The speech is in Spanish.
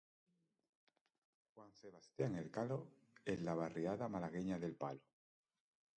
Juan Sebastián Elcano, en la barriada malagueña del Palo.